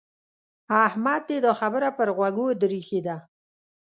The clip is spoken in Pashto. احمد دې دا خبره پر غوږو در اېښې ده.